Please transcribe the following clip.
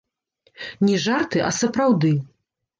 Не жарты, а сапраўды.